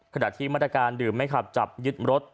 ขณะที่มาตรการดื่มไม่ขับจับยึดรถ